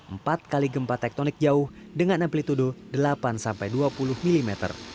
empat kali gempa tektonik jauh dengan amplitude delapan sampai dua puluh mm